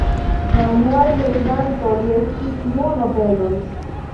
La unuaj loĝantoj estis nur nobeloj.